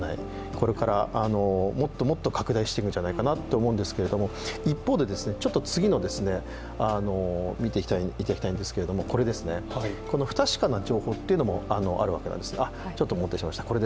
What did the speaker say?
これからもっともっと拡大してくんじゃないかなと思うんですけど、一方でこれですね、この不確かな情報というのもあるわけなんです。